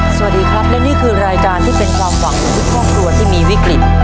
สวัสดีครับและนี่คือรายการที่เป็นความหวังของทุกครอบครัวที่มีวิกฤต